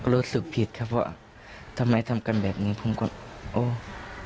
รู้สึกผิดครับว่าทำไมทำกันแบบนี้ผมก็โอ้